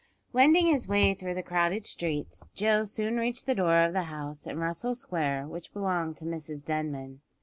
Wending his way through the crowded streets, Joe soon reached the door of the house in Russell Square which belonged to Mrs Denman.